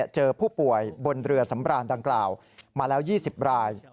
เจอผู้ป่วยบนเรือสำราญดังกล่าวมาแล้ว๒๐ราย